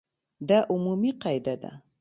دا عمومي قاعده ده.